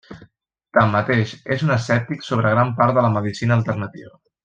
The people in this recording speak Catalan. Tanmateix, és un escèptic sobre gran part de la medicina alternativa.